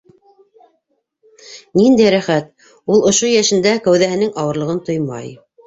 Ниндәй рәхәт, ул ошо йәшендә кәүҙәһенең ауырлығын тоймай.